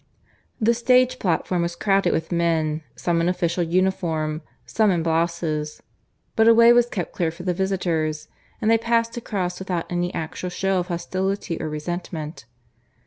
The stage platform was crowded with men, some in official uniform, some in blouses; but a way was kept clear for the visitors, and they passed across without any actual show of hostility or resentment.